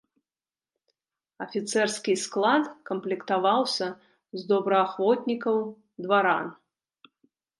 Афіцэрскі склад камплектаваўся з добраахвотнікаў-дваран.